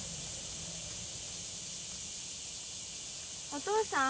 お父さん？